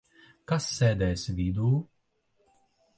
Kas sēdēs vidū?